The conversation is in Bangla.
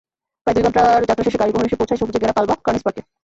প্রায় দুই ঘণ্টার যাত্রা শেষে গাড়িবহর এসে পৌঁছায় সবুজে ঘেরা কালবা কর্নিস পার্কে।